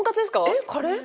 えっカレー？